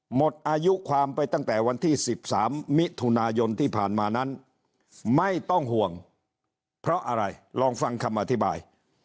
หมดอายุความไปตั้งแต่วันที่๑๓มิถุนายนที่ผ่านมานั้นไม่ต้องห่วงเพราะอะไรลองฟังคำอธิบาย